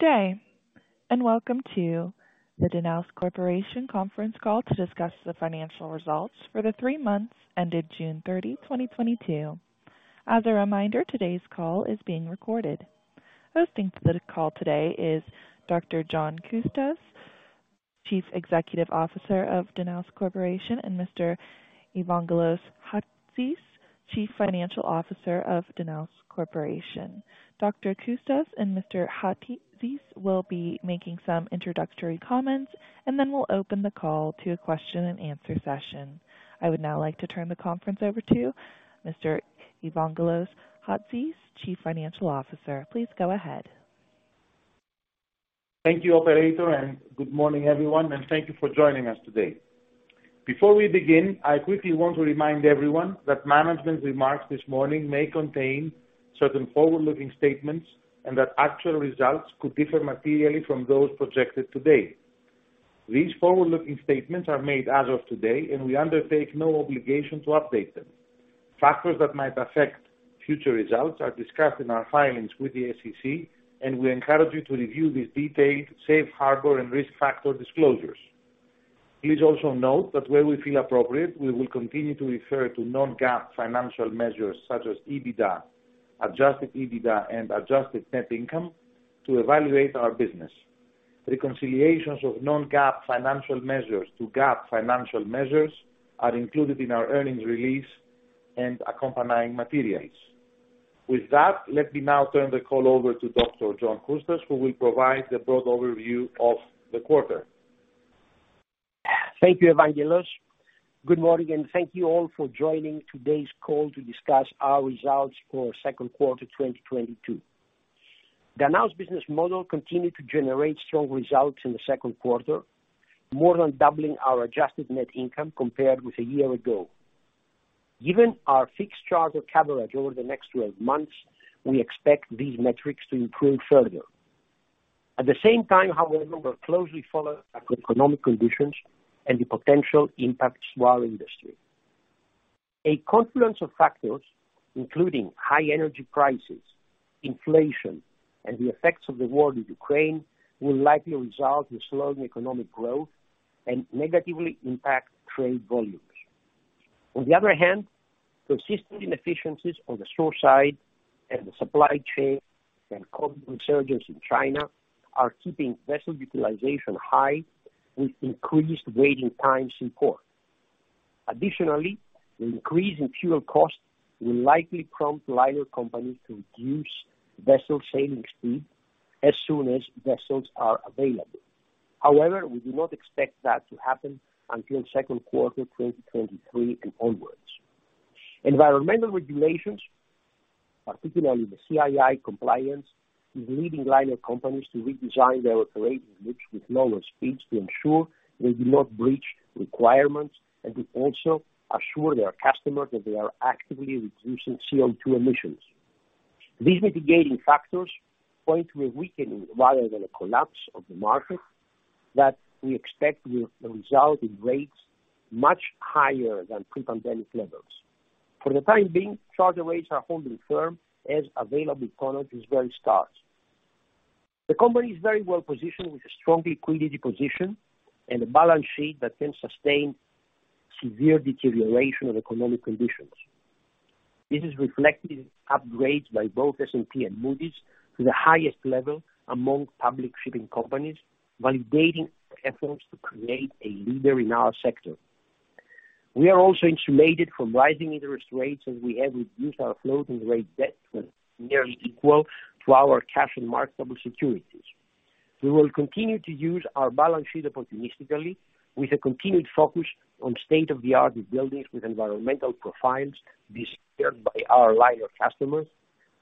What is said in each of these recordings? Good day, and welcome to the Danaos Corporation conference call to discuss the financial results for the three months ended June 30, 2022. As a reminder, today's call is being recorded. Hosting the call today is Dr. John Coustas, Chief Executive Officer of Danaos Corporation, and Mr. Evangelos Chatzis, Chief Financial Officer of Danaos Corporation. Dr. Coustas and Mr. Chatzis will be making some introductory comments, and then we'll open the call to a question-and-answer session. I would now like to turn the conference over to Mr. Evangelos Chatzis, Chief Financial Officer. Please go ahead. Thank you, operator, and good morning, everyone, and thank you for joining us today. Before we begin, I quickly want to remind everyone that management remarks this morning may contain certain forward-looking statements and that actual results could differ materially from those projected today. These forward-looking statements are made as of today, and we undertake no obligation to update them. Factors that might affect future results are discussed in our filings with the SEC, and we encourage you to review these detailed safe harbor and risk factor disclosures. Please also note that where we feel appropriate, we will continue to refer to non-GAAP financial measures such as EBITDA, Adjusted EBITDA, and adjusted net income to evaluate our business. Reconciliations of non-GAAP financial measures to GAAP financial measures are included in our earnings release and accompanying materials. With that, let me now turn the call over to Dr. John Coustas, who will provide the broad overview of the quarter. Thank you, Evangelos. Good morning, and thank you all for joining today's call to discuss our results for second quarter 2022. Danaos business model continued to generate strong results in the second quarter, more than doubling our adjusted net income compared with a year ago. Given our fixed charter coverage over the next 12 months, we expect these metrics to improve further. At the same time, however, we will closely follow economic conditions and the potential impacts to our industry. A confluence of factors, including high energy prices, inflation, and the effects of the war with Ukraine, will likely result in slowing economic growth and negatively impact trade volumes. On the other hand, persistent inefficiencies on the shore side and the supply chain and COVID resurgence in China are keeping vessel utilization high, with increased waiting times in port. Additionally, the increase in fuel costs will likely prompt liner companies to reduce vessel sailing speed as soon as vessels are available. However, we do not expect that to happen until second quarter 2023 and onwards. Environmental regulations, particularly the CII compliance, is leading liner companies to redesign their operating routes with lower speeds to ensure they do not breach requirements and to also assure their customers that they are actively reducing CO2 emissions. These mitigating factors point to a weakening rather than a collapse of the market that we expect will result in rates much higher than pre-pandemic levels. For the time being, charter rates are holding firm as available product is very scarce. The company is very well positioned with a strong liquidity position and a balance sheet that can sustain severe deterioration of economic conditions. This is reflected in upgrades by both S&P and Moody's to the highest level among public shipping companies, validating efforts to create a leader in our sector. We are also insulated from rising interest rates as we have reduced our floating rate debt to nearly equal to our cash and marketable securities. We will continue to use our balance sheet opportunistically with a continued focus on state-of-the-art rebuildings with environmental profiles desired by our liner customers,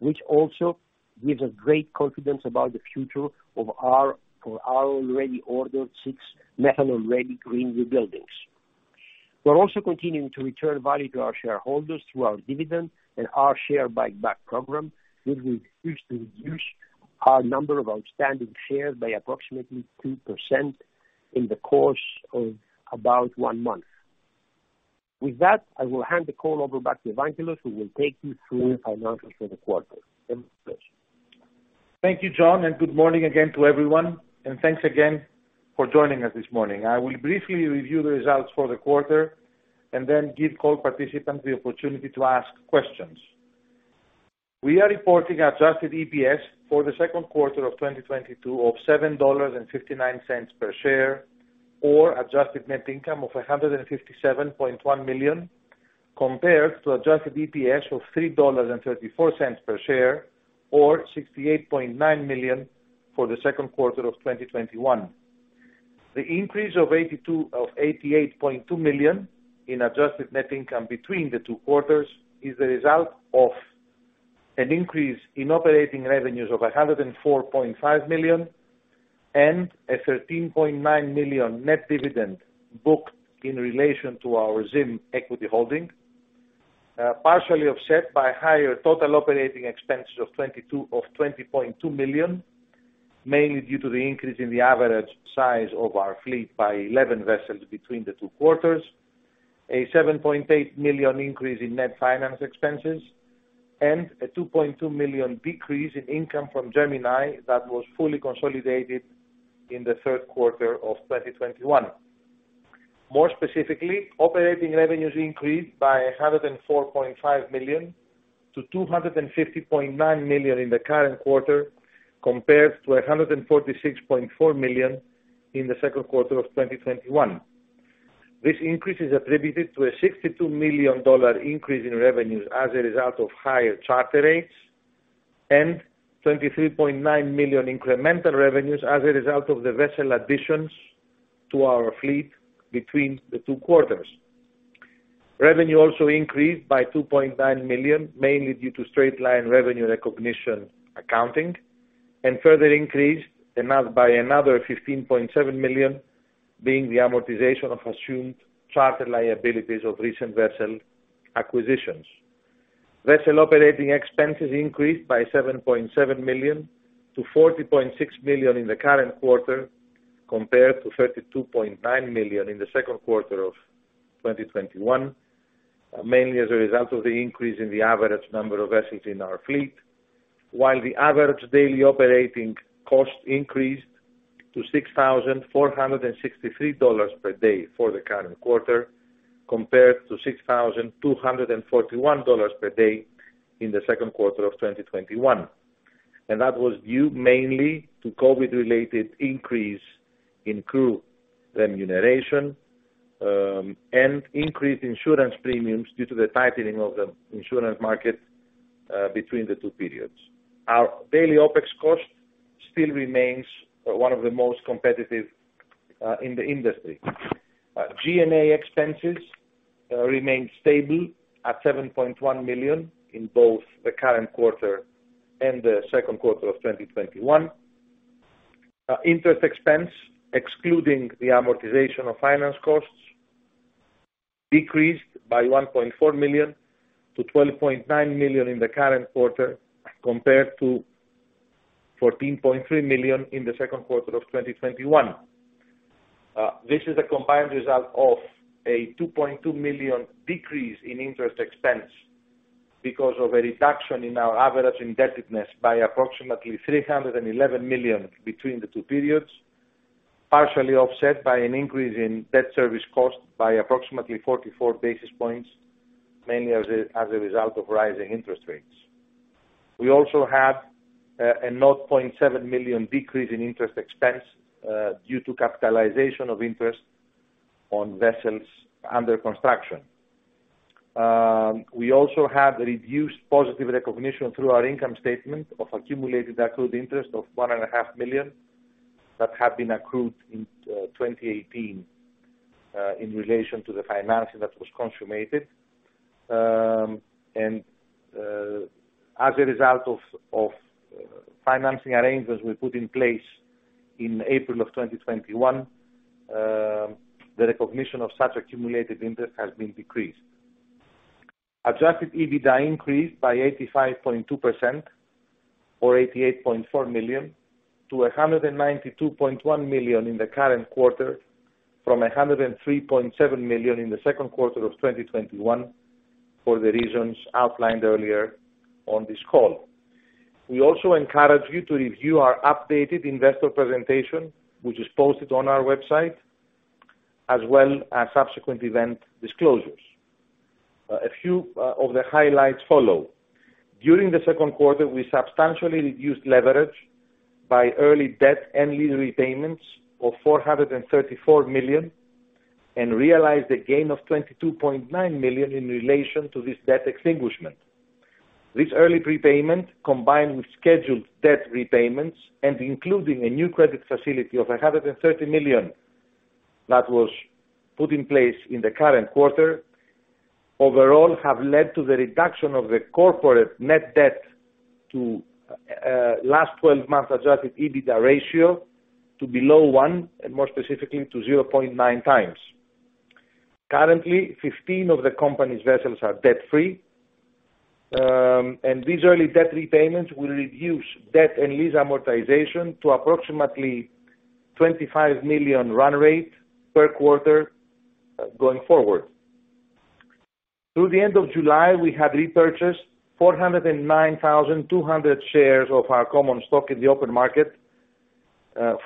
which also gives us great confidence about the future for our already ordered six methanol-ready green rebuilds. We're also continuing to return value to our shareholders through our dividend and our share buyback program, which we used to reduce our number of outstanding shares by approximately 2% in the course of about one month. With that, I will hand the call over back to Evangelos, who will take you through our numbers for the quarter. Thanks. Thank you, John, and good morning again to everyone, and thanks again for joining us this morning. I will briefly review the results for the quarter and then give call participants the opportunity to ask questions. We are reporting Adjusted EPS for the second quarter of 2022 of $7.59 per share, or adjusted net income of $157.1 million, compared to Adjusted EPS of $3.34 per share, or $68.9 million for the second quarter of 2021. The increase of $82... of $88.2 million in adjusted net income between the two quarters is the result of an increase in operating revenues of $104.5 million and a $13.9 million net dividend booked in relation to our Zim equity holding, partially offset by higher total operating expenses of $20.2 million, mainly due to the increase in the average size of our fleet by 11 vessels between the two quarters. A $7.8 million increase in net finance expenses and a $2.2 million decrease in income from Gemini that was fully consolidated in the third quarter of 2021. More specifically, operating revenues increased by $104.5 million-$250.9 million in the current quarter, compared to $146.4 million in the second quarter of 2021. This increase is attributed to a $62 million dollar increase in revenues as a result of higher charter rates and $23.9 million incremental revenues as a result of the vessel additions to our fleet between the two quarters. Revenue also increased by $2.9 million, mainly due to straight-line revenue recognition accounting and further increased amount by another $15.7 million being the amortization of assumed charter liabilities of recent vessel acquisitions. Vessel operating expenses increased by $7.7 million-$40.6 million in the current quarter compared to $32.9 million in the second quarter of 2021. Mainly as a result of the increase in the average number of vessels in our fleet. While the average daily operating cost increased to $6,463 per day for the current quarter compared to $6,241 per day in the second quarter of 2021. That was due mainly to COVID related increase in crew remuneration, and increased insurance premiums due to the tightening of the insurance market, between the two periods. Our daily OpEx cost still remains one of the most competitive, in the industry. G&A expenses remain stable at $7.1 million in both the current quarter and the second quarter of 2021. Interest expense excluding the amortization of finance costs decreased by $1.4 million-$12.9 million in the current quarter compared to $14.3 million in the second quarter of 2021. This is a combined result of a $2.2 million decrease in interest expense because of a reduction in our average indebtedness by approximately $311 million between the two periods, partially offset by an increase in debt service cost by approximately 44 basis points, mainly as a result of rising interest rates. We also have a $0.7 million decrease in interest expense due to capitalization of interest on vessels under construction. We also have reduced positive recognition through our income statement of accumulated accrued interest of $1.5 million that had been accrued in 2018 in relation to the financing that was consummated. As a result of financing arrangements we put in place in April of 2021, the recognition of such accumulated interest has been decreased. Adjusted EBITDA increased by 85.2% or $88.4 million-$192.1 million in the current quarter from $103.7 million in the second quarter of 2021 for the reasons outlined earlier on this call. We also encourage you to review our updated investor presentation, which is posted on our website, as well as subsequent event disclosures. A few of the highlights follow. During the second quarter, we substantially reduced leverage by early debt and lease repayments of $434 million and realized a gain of $22.9 million in relation to this debt extinguishment. This early prepayment, combined with scheduled debt repayments and including a new credit facility of $130 million that was put in place in the current quarter, overall have led to the reduction of the corporate net debt to last 12 months Adjusted EBITDA ratio to below 1x and more specifically to 0.9x. Currently, 15 of the company's vessels are debt-free. These early debt repayments will reduce debt and lease amortization to approximately $25 million run rate per quarter going forward. Through the end of July, we had repurchased 409,200 shares of our common stock in the open market,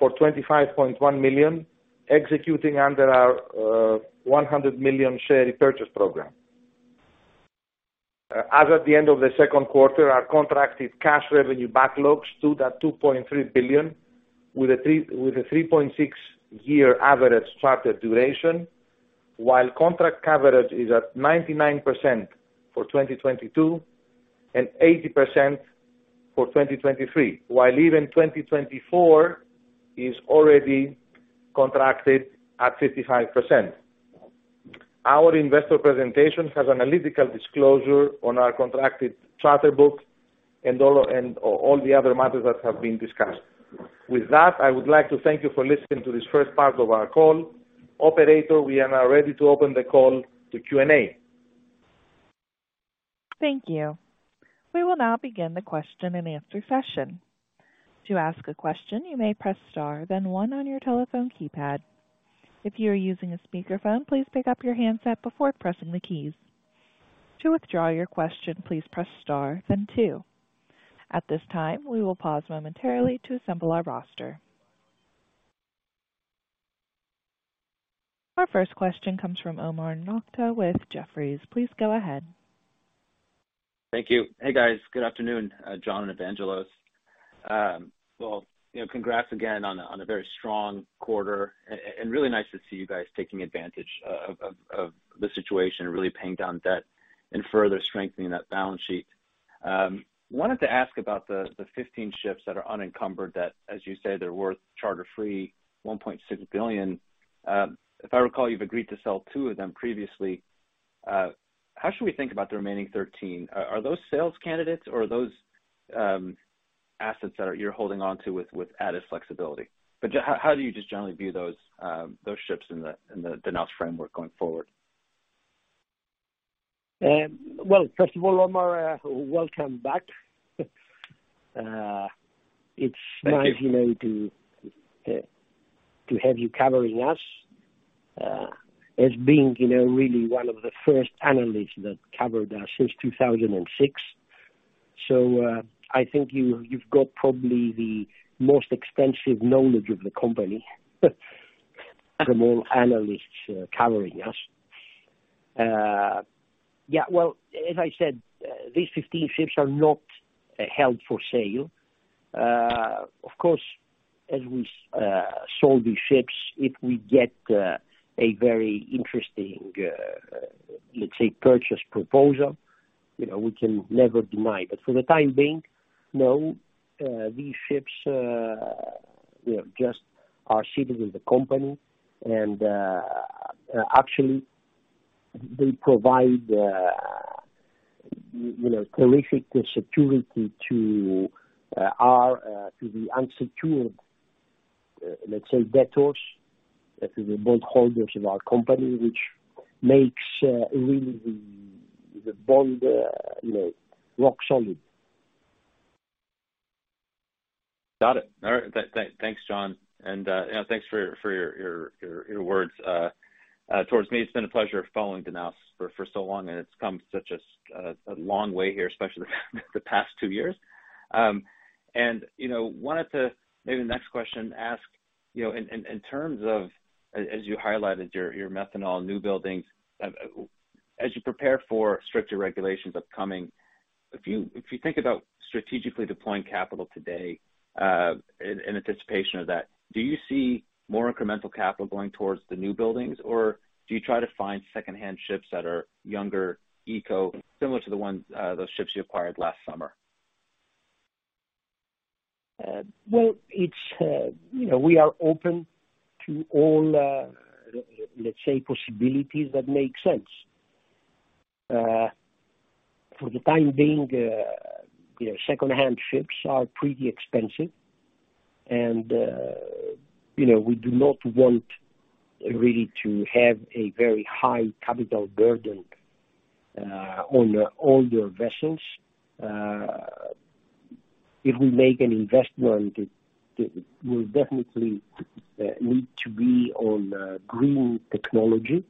for $25.1 million executing under our $100 million share repurchase program. As at the end of the second quarter, our contracted cash revenue backlogs stood at $2.3 billion with a 3.6-year average charter duration, while contract coverage is at 99% for 2022 and 80% for 2023, while even 2024 is already contracted at 55%. Our investor presentation has analytical disclosure on our contracted charter book and all the other matters that have been discussed. With that, I would like to thank you for listening to this first part of our call. Operator, we are now ready to open the call to Q&A. Thank you. We will now begin the question and answer session. To ask a question you may press star then one on your telephone keypad. If you are using a speakerphone, please pick up your handset before pressing the keys. To withdraw your question, please press star then two. At this time, we will pause momentarily to assemble our roster. Our first question comes from Omar Nokta with Jefferies. Please go ahead. Thank you. Hey, guys. Good afternoon, John and Evangelos. Well, you know, congrats again on a very strong quarter and really nice to see you guys taking advantage of the situation and really paying down debt and further strengthening that balance sheet. Wanted to ask about the 15 ships that are unencumbered that, as you say, they're worth charter-free $1.6 billion. If I recall, you've agreed to sell two of them previously. How should we think about the remaining 13? Are those sales candidates or are those assets that you're holding on to with added flexibility? How do you just generally view those ships in the Danaos framework going forward? Well, first of all, Omar, welcome back. It's nice, you know, to have you covering us as being, you know, really one of the first analysts that covered us since 2006. I think you've got probably the most extensive knowledge of the company from all analysts covering us. Yeah, well, as I said, these 15 ships are not held for sale. Of course, as we sold these ships, if we get a very interesting, let's say, purchase proposal, you know, we can never deny. But for the time being, no, these ships, you know, just are ships of the company. Actually, they provide, you know, terrific security to the unsecured, let's say, creditors to the bondholders in our company, which makes really the bond, you know, rock solid. Got it. All right. Thanks, John. Thanks for your words towards me. It's been a pleasure following Danaos for so long, and it's come such a long way here, especially the past two years. You know, wanted to ask the next question, you know, in terms of as you highlighted your methanol newbuildings. As you prepare for stricter regulations upcoming, if you think about strategically deploying capital today, in anticipation of that, do you see more incremental capital going towards the newbuildings, or do you try to find second-hand ships that are younger, eco, similar to the ones, those ships you acquired last summer? Well, it's, you know, we are open to all, let's say, possibilities that make sense. For the time being, you know, second-hand ships are pretty expensive. We do not want really to have a very high capital burden on older vessels. If we make an investment, it will definitely need to be on green technology,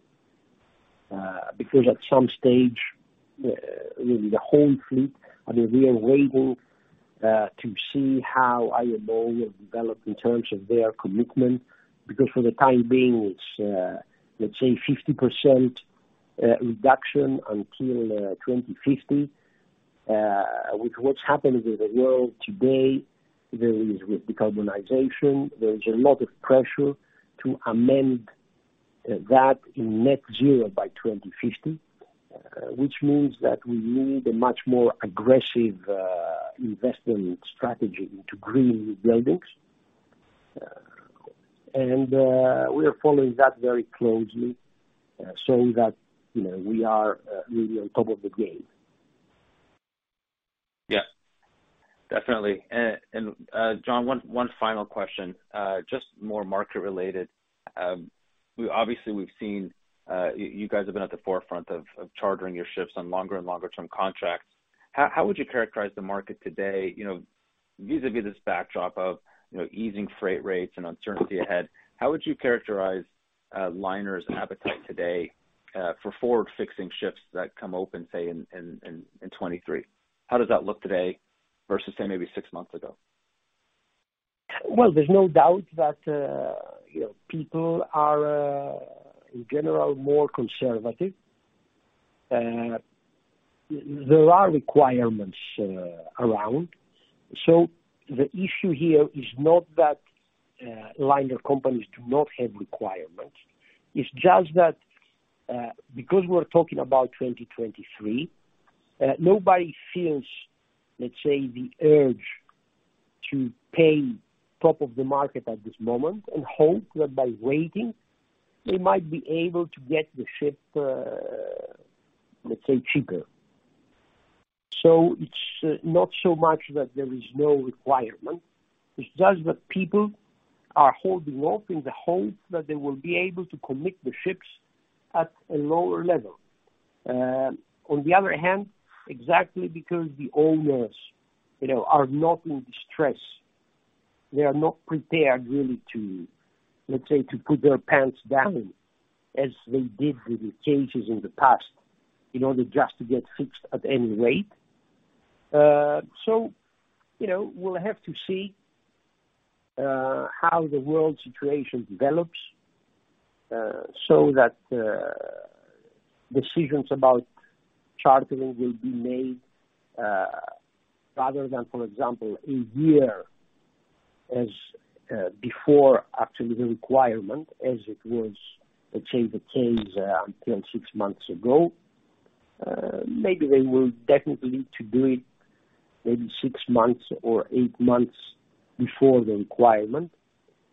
because at some stage, you know, the whole fleet, I mean, we are waiting to see how IMO will develop in terms of their commitment, because for the time being, it's, let's say 50% reduction until 2050. With what's happening in the world today, there is a lot of pressure to achieve net zero by 2050, which means that we need a much more aggressive investment strategy into green buildings. We are following that very closely, so that, you know, we are really on top of the game. Yeah, definitely. John, one final question, just more market related. Obviously, we've seen you guys have been at the forefront of chartering your ships on longer and longer-term contracts. How would you characterize the market today? You know, vis-a-vis this backdrop of, you know, easing freight rates and uncertainty ahead, how would you characterize liners appetite today for forward fixing ships that come open, say in 2023? How does that look today versus, say, maybe six months ago? Well, there's no doubt that, you know, people are, in general, more conservative. There are requirements around. The issue here is not that liner companies do not have requirements. It's just that, because we're talking about 2023, nobody feels, let's say, the urge to pay top of the market at this moment and hope that by waiting, they might be able to get the ship, let's say, cheaper. It's not so much that there is no requirement. It's just that people are holding off in the hope that they will be able to commit the ships at a lower level. On the other hand, exactly because the owners, you know, are not in distress, they are not prepared really to, let's say, to put their pants down as they did with the changes in the past in order just to get fixed at any rate. So, you know, we'll have to see how the world situation develops, so that decisions about chartering will be made, rather than, for example, a year as before actually the requirement as it was, let's say, the case until six months ago. Maybe they will definitely to do it maybe six months or eight months before the requirement,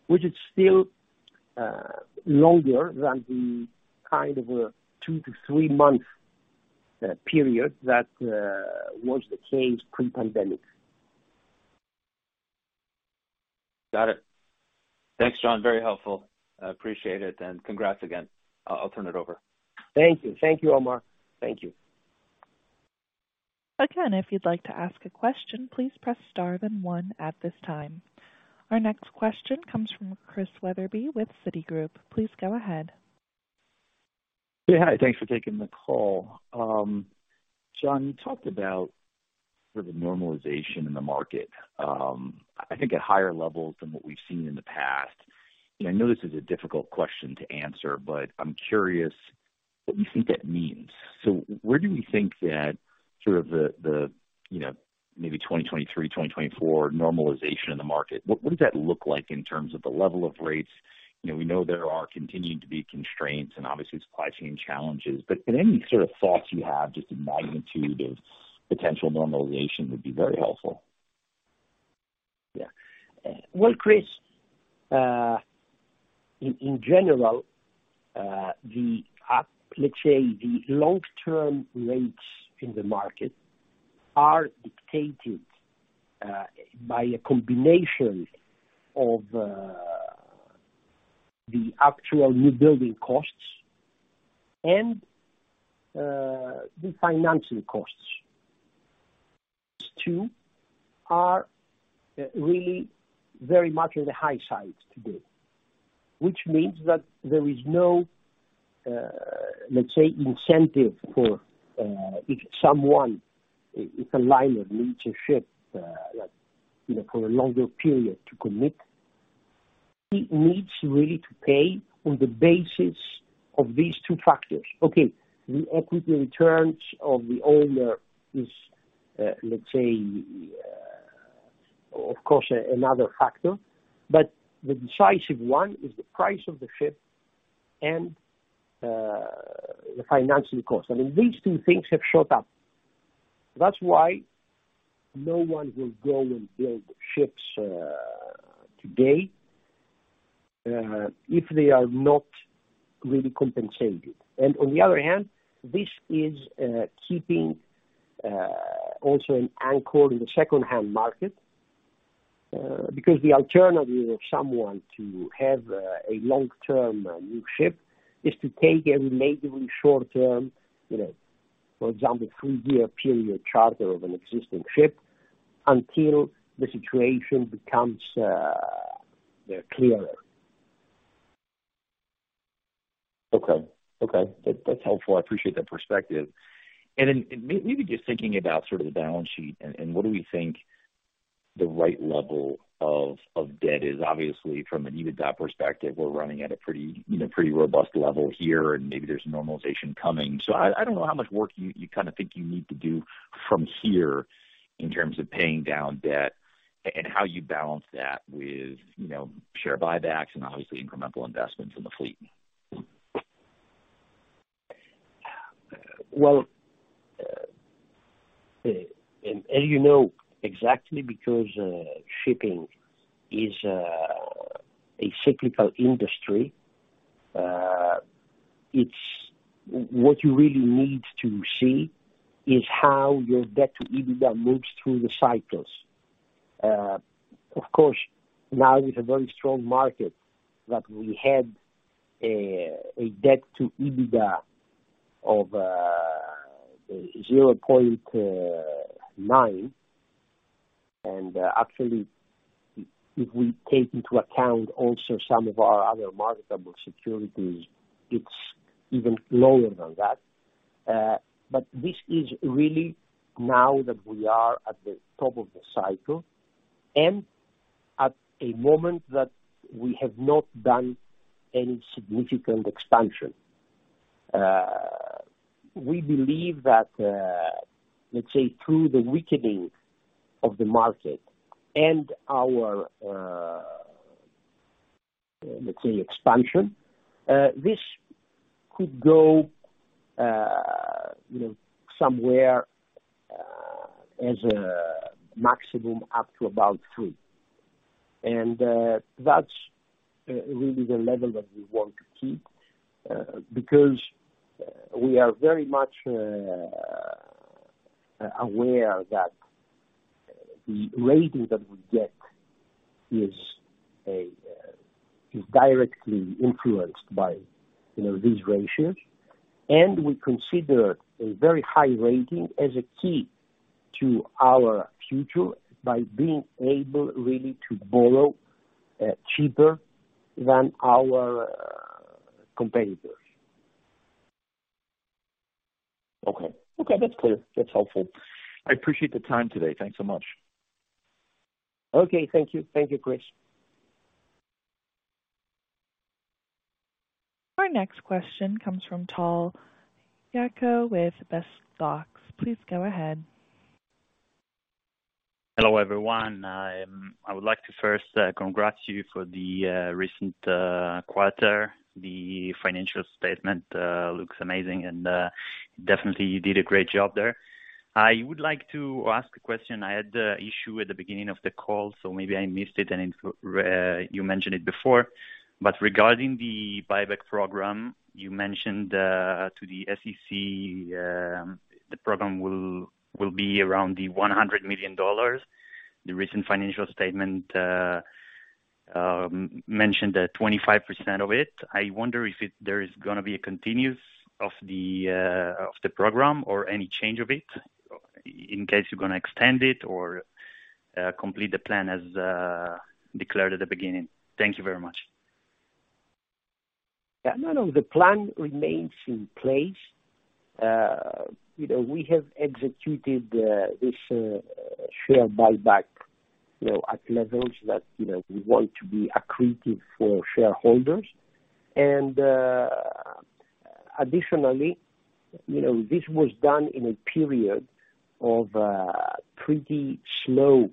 which is still longer than the kind of a two to three-month period that was the case pre-pandemic. Got it. Thanks, John. Very helpful. I appreciate it, and congrats again. I'll turn it over. Thank you. Thank you, Omar. Thank you. Again, if you'd like to ask a question, please press star then one at this time. Our next question comes from Chris Wetherbee with Citigroup. Please go ahead. Yeah, hi. Thanks for taking the call. John, you talked about the normalization in the market, I think at higher levels than what we've seen in the past. I know this is a difficult question to answer, but I'm curious what you think that means. Where do we think that sort of, you know, maybe 2023, 2024 normalization in the market, what does that look like in terms of the level of rates? You know, we know there are continuing to be constraints and obviously supply chain challenges, but any sort of thoughts you have just the magnitude of potential normalization would be very helpful. Yeah. Well, Chris, in general, the long-term rates in the market are dictated by a combination of the actual newbuilding costs and the financing costs. These two are really very much on the high side today. Which means that there is no incentive for, if someone with a liner needs a ship, like, you know, for a longer period to commit, he needs really to pay on the basis of these two factors. Okay. The equity returns of the owner is, of course, another factor. But the decisive one is the price of the ship and the financing cost. I mean, these two things have shot up. That's why no one will go and build ships today, if they are not really compensated. on the other hand, this is keeping also an anchor in the secondhand market, because the alternative of someone to have a long-term new ship is to take a relatively short-term, you know, for example, three-year period charter of an existing ship until the situation becomes clearer. Okay. That's helpful. I appreciate that perspective. Maybe just thinking about sort of the balance sheet and what do we think the right level of debt is. Obviously, from an EBITDA perspective, we're running at a pretty, you know, pretty robust level here, and maybe there's normalization coming. I don't know how much work you kinda think you need to do from here in terms of paying down debt and how you balance that with, you know, share buybacks and obviously incremental investments in the fleet. Well, as you know, exactly because shipping is a cyclical industry. What you really need to see is how your debt to EBITDA moves through the cycles. Of course, now with a very strong market that we had, a debt to EBITDA of 0.9x. Actually if we take into account also some of our other marketable securities, it's even lower than that. This is really now that we are at the top of the cycle and at a moment that we have not done any significant expansion. We believe that, let's say, through the weakening of the market and our, let's say, expansion, this could go, you know, somewhere, as a maximum up to about 3x. That's really the level that we want to keep, because we are very much aware that the rating that we get is directly influenced by, you know, these ratios. We consider a very high rating as a key to our future by being able really to borrow cheaper than our competitors. Okay. Okay, that's clear. That's helpful. I appreciate the time today. Thanks so much. Okay, thank you. Thank you, Chris. Our next question comes from Tal Yaakov with BestStocks. Please go ahead. Hello, everyone. I would like to first congratulate you for the recent quarter. The financial statement looks amazing and definitely you did a great job there. I would like to ask a question. I had an issue at the beginning of the call, so maybe I missed it and if you mentioned it before. Regarding the buyback program, you mentioned to the SEC the program will be around $100 million. The recent financial statement mentioned that 25% of it. I wonder if there is gonna be a continuation of the program or any change of it. In case you're gonna extend it or complete the plan as declared at the beginning. Thank you very much. Yeah, no, the plan remains in place. You know, we have executed this share buyback, you know, at levels that, you know, we want to be accretive for shareholders. Additionally, you know, this was done in a period of pretty slow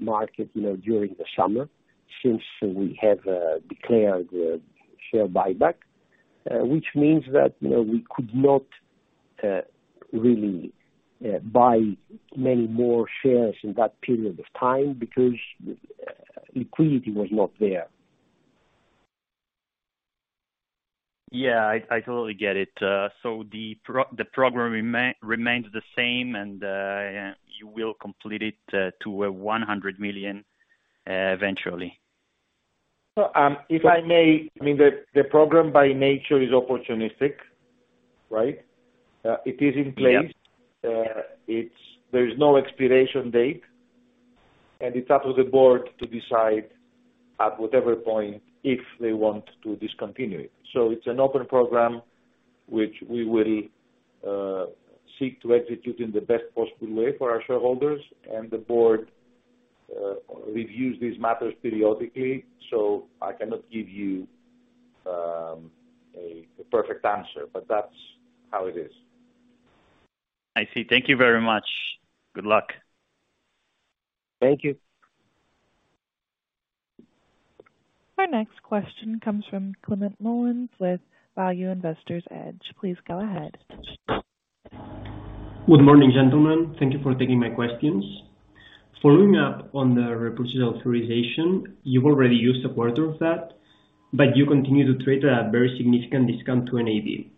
market, you know, during the summer since we have declared the share buyback. Which means that, you know, we could not really buy many more shares in that period of time because liquidity was not there. Yeah, I totally get it. The program remains the same and you will complete it to $100 million eventually. If I may. I mean, the program by nature is opportunistic, right? It is in place. Yeah. There is no expiration date, and it's up to the board to decide at whatever point if they want to discontinue it. It's an open program which we will seek to execute in the best possible way for our shareholders. The board reviews these matters periodically, so I cannot give you a perfect answer. That's how it is. I see. Thank you very much. Good luck. Thank you. Our next question comes from Clement Mullins with Value Investors Edge. Please go ahead. Good morning, gentlemen. Thank you for taking my questions. Following up on the repurchase authorization, you've already used 1/4 of that, but you continue to trade at a very significant discount to NAV.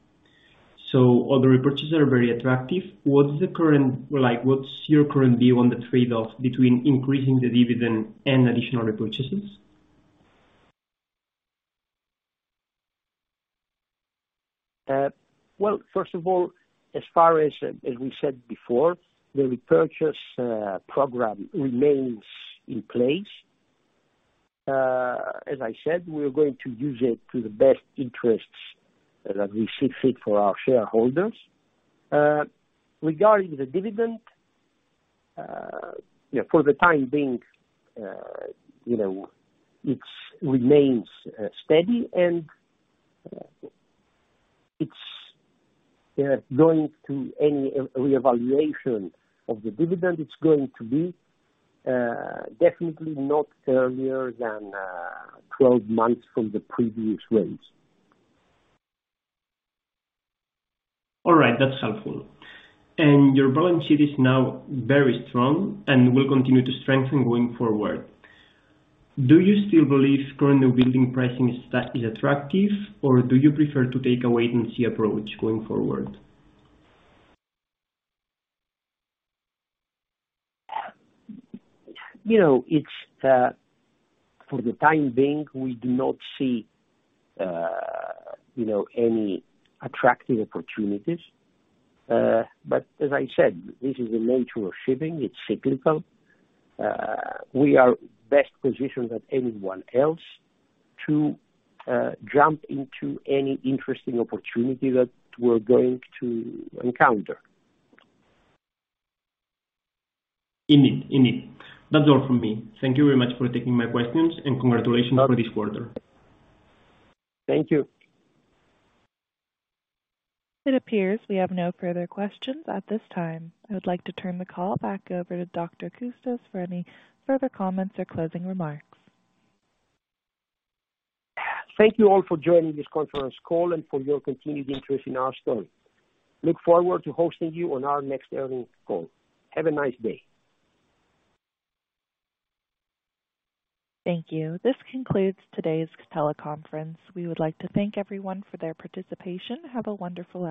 So the repurchases are very attractive. Like, what's your current view on the trade-off between increasing the dividend and additional repurchases? Well, first of all, as far as we said before, the repurchase program remains in place. As I said, we're going to use it in the best interests as we see fit for our shareholders. Regarding the dividend, for the time being, you know, it remains steady and any revaluation of the dividend is going to be definitely not earlier than 12 months from the previous raise. All right, that's helpful. Your balance sheet is now very strong and will continue to strengthen going forward. Do you still believe current newbuilding pricing is attractive, or do you prefer to take a wait-and-see approach going forward? You know, it's for the time being, we do not see, you know, any attractive opportunities. As I said, this is the nature of shipping. It's cyclical. We are best positioned than anyone else to jump into any interesting opportunity that we're going to encounter. Indeed. That's all from me. Thank you very much for taking my questions, and congratulations for this quarter. Thank you. It appears we have no further questions at this time. I would like to turn the call back over to Dr. Coustas for any further comments or closing remarks. Thank you all for joining this conference call and for your continued interest in our story. Look forward to hosting you on our next earnings call. Have a nice day. Thank you. This concludes today's teleconference. We would like to thank everyone for their participation. Have a wonderful afternoon.